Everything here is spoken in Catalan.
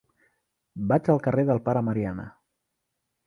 Vaig al carrer del Pare Mariana.